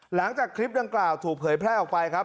หลังจากคลิปดังกล่าวถูกเผยแพร่ออกไปครับ